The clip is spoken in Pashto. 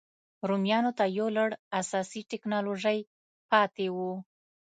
رومیانو ته یو لړ اساسي ټکنالوژۍ پاتې وو.